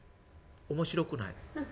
「面白くない。